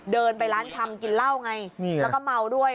เดินไปร้านชำกินเหล้าไงแล้วก็เมาด้วย